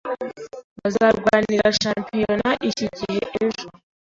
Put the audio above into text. Bazarwanira shampiyona iki gihe ejo.